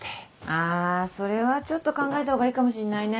あそれはちょっと考えた方がいいかもしんないね。